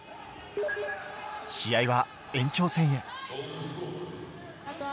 試合は延長戦へ。